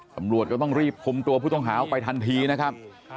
ตำรวจก็ต้องรีบคงบทระผงพูดฮาวไปทันทีนะครับ